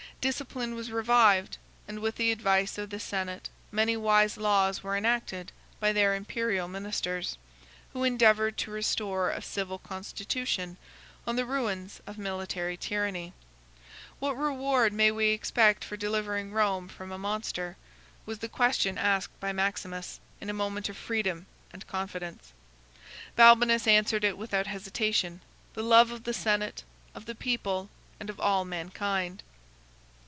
Discipline was revived, and with the advice of the senate many wise laws were enacted by their imperial ministers, who endeavored to restore a civil constitution on the ruins of military tyranny. "What reward may we expect for delivering Rome from a monster?" was the question asked by Maximus, in a moment of freedom and confidence. Balbinus answered it without hesitation—"The love of the senate, of the people, and of all mankind."